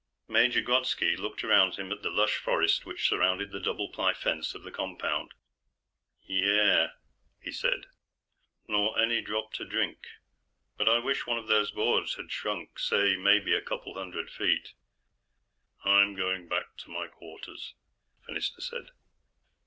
Major Grodski looked around him at the lush forest which surrounded the double ply fence of the compound. "Yeah," he said. "'Nor any drop to drink.' But I wish one of those boards had shrunk say, maybe, a couple hundred feet." "I'm going back to my quarters," Fennister said.